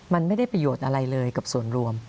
มันไม่ได้ประโยชน์อะไรเลยกับส่วนรวม